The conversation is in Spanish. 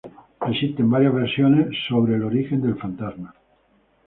Existen varias versiones acerca del origen del fantasma.